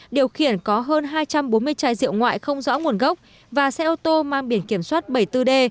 điều khiển có hơn hai trăm bốn mươi chai rượu ngoại không rõ nguồn gốc và xe ô tô mang biển kiểm soát bảy mươi bốn d